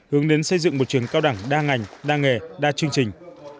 hướng đến xây dựng một trường cao đẳng đa ngành đa nghề đa chương trình